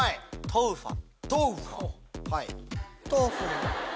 トウファ。